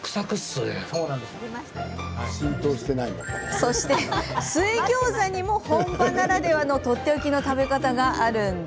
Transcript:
そして、水ギョーザにも本場ならではのとっておきの食べ方が。